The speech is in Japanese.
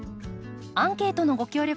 アンケートのご協力